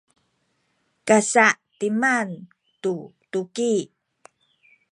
kasa’timan tu tuki